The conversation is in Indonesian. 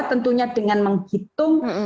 tentunya dengan menghitung